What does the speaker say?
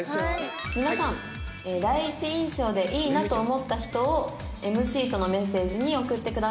「皆さん第一印象でいいなと思った人をＭＣとのメッセージに送ってください。